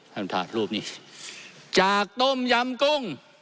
ท่านถ่ายรูปนี้จากต้มยำกุ้ง